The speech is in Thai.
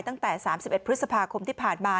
ตั้งแต่๓๑พฤษภาคมที่ผ่านมา